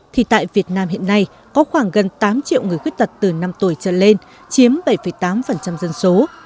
thì tại việt nam hiện nay có khoảng gần tám triệu người khuyết tật từ năm tuổi trở lên chiếm bảy tám dân số